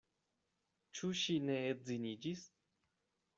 Ĉu ŝi ne edziniĝis?